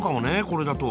これだと。